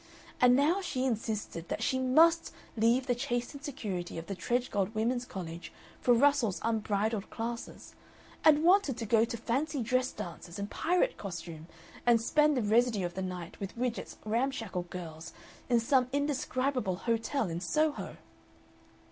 And now she insisted that she MUST leave the chastened security of the Tredgold Women's College for Russell's unbridled classes, and wanted to go to fancy dress dances in pirate costume and spend the residue of the night with Widgett's ramshackle girls in some indescribable hotel in Soho!